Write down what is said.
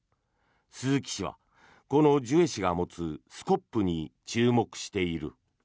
鈴木氏は、このジュエ氏が持つスコップに注目している。